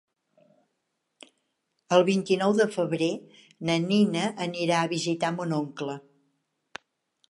El vint-i-nou de febrer na Nina anirà a visitar mon oncle.